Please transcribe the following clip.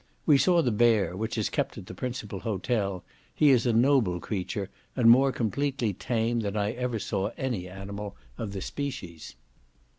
We saw the bear, which is kept at the principal hotel; he is a noble creature, and more completely tame than I ever saw any animal of the species.